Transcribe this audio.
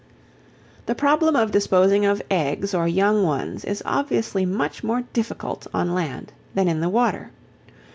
The problem of disposing of eggs or young ones is obviously much more difficult on land than in the water.